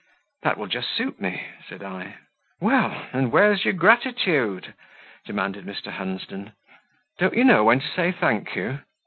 "That will just suit me," said I. "Well, and where's your gratitude?" demanded Mr. Hunsden; "don't you know how to say 'Thank you?